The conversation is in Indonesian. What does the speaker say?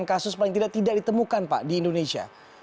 enam kasus paling tidak tidak ditemukan pak di indonesia